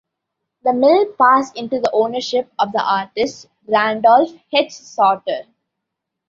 The mill passed into the ownership of the artist Randolph H Sauter.